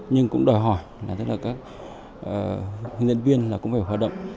nhưng cũng đòi hỏi là các hướng dẫn viên cũng phải hoạt động